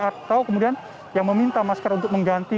atau kemudian yang meminta masker untuk mengganti